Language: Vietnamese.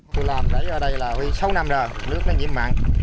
tôi làm để ở đây là sáu năm rồi nước nó nhiễm mặn